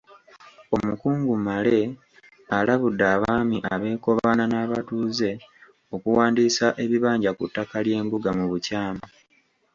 Omukungu Male alabudde Abaami abeekobaana n’abatuuze okuwandiisa ebibanja ku ttaka ly’embuga mu bukyamu.